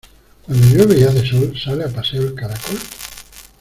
Cuando llueve y hace sol sale a paseo el caracol.